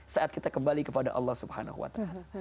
saat kita kembali kepada allah swt